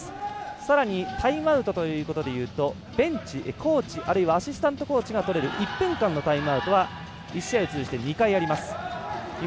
さらにタイムアウトということでいうとベンチ、コーチあるいはアシスタントコーチがとれる１分間のタイムアウトは１試合を通じて２回あります。